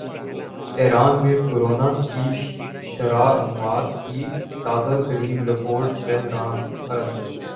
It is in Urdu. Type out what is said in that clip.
ایران میں کرونا کی شرح اموات کی تازہ ترین رپورٹ تہران ارن